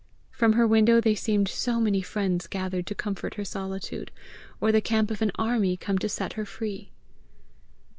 From her window they seemed so many friends gathered to comfort her solitude, or the camp of an army come to set her free.